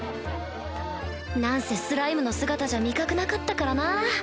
何せスライムの姿じゃ味覚なかったからなぁ